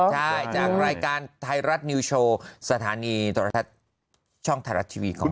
ใช่จากรายการไทยรัฐนิวโชว์สถานีโทรทัศน์ช่องไทยรัฐทีวีของเรา